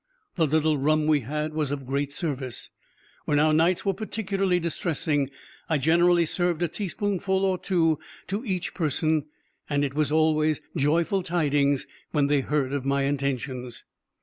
The little rum we had was of great service. When our nights were particularly distressing, I generally served a teaspoonful or two to each person; and it was always joyful tidings when they heard of my intentions.